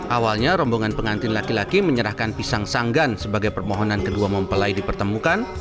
awalnya rombongan pengantin laki laki menyerahkan pisang sanggan sebagai permohonan kedua mempelai dipertemukan